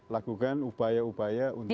lakukan upaya upaya untuk